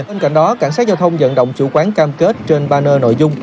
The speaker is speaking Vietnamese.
bên cạnh đó cảnh sát giao thông dận động chủ quán cam kết trên banner nội dung